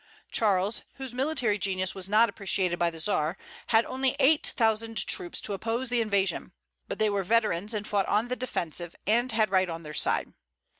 Charles, whose military genius was not appreciated by the Czar, had only eight thousand troops to oppose the invasion; but they were veterans, and fought on the defensive, and had right on their side.